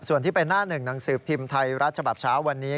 ส่วนที่เป็นหน้าหนึ่งหนังสือพิมพ์ไทยรัฐฉบับเช้าวันนี้